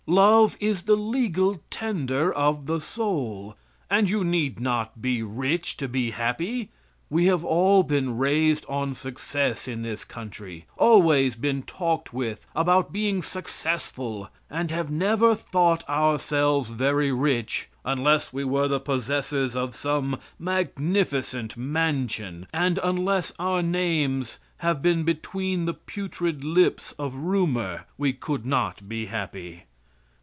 Love is the legal tender of the soul and you need not be rich to be happy. We have all been raised on success in this country. Always been talked with about being successful, and have never thought ourselves very rich unless we were the possessors of some magnificent mansion, and unless our names have been between the putrid lips of rumor we could not be happy.